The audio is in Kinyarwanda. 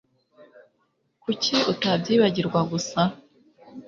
Kuki utabyibagirwa gusa